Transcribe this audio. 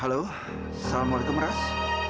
halo salamualaikum ras